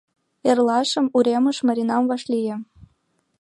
Эрлашым уремеш Маринам вашлие.